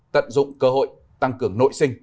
tận dụng cơ hội tăng cường nội sinh